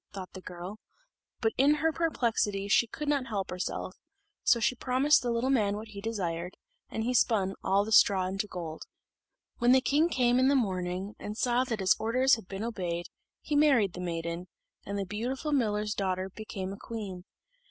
thought the girl, but in her perplexity she could not help herself: so she promised the little man what he desired, and he spun all the straw into gold. When the king came in the morning, and saw that his orders had been obeyed, he married the maiden, and the beautiful miller's daughter became a queen.